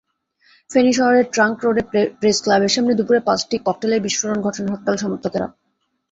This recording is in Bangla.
ফেনী শহরের ট্রাংক রোডে প্রেসক্লাবের সামনে দুপুরে পাঁচটি ককটেলের বিস্ফোরণ ঘটান হরতাল-সমর্থকেরা।